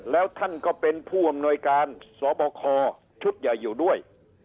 แล้วท่านก็เป็นผู้อำนวยการสบคชุดใหญ่อยู่ด้วย